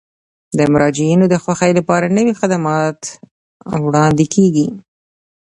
د مراجعینو د خوښۍ لپاره نوي خدمات وړاندې کیږي.